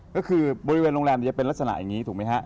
ก็คือบริเวณโรงแรมจะเป็นลักษณะอย่างนี้ถูกไหมฮะ